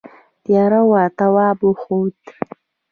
تیاره وه تواب وخوت.